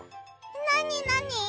なになに？